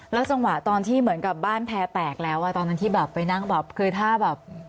แล้วสังหวะตอนที่เหมือนกับบ้านแพ้แตกแล้วตอนนั้นที่ไปนั่งช่วยไหม